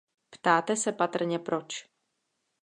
Ptáte se patrně proč.